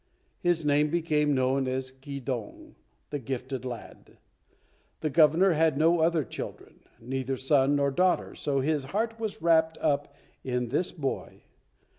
His name became known as Keydong (The Gifted Lad). The Governor had no other children, neither son nor daughter, so his heart was wrapped up in this boy.